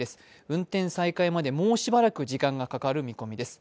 運転再開までもうしばらく時間がかかる見込みです。